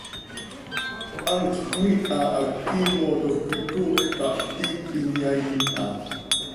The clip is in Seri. Hantx cömiiha hac quiimotoj coi coocj cah ptiicp inyai iiha.